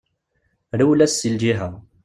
Rwel-as seg lǧiha.